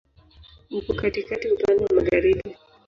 Uko katikati, upande wa magharibi.